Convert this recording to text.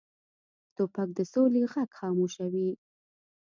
توپک د سولې غږ خاموشوي.